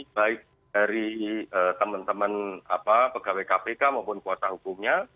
baik dari teman teman pegawai kpk maupun kuasa hukumnya